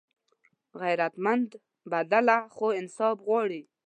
غیرتمند بدله خو انصاف غواړي